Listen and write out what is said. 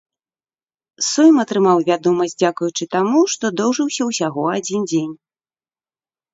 Сойм атрымаў вядомасць дзякуючы таму, што доўжыўся ўсяго адзін дзень.